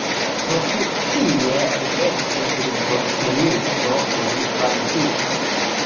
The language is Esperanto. Profesie li estis librotenisto en fabriko.